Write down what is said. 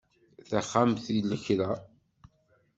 Taxxamt i lekra.